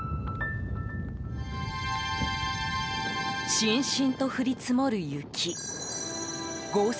しんしんと降り積もる雪。